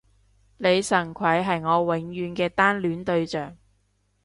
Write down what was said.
李純揆係我永遠嘅單戀對象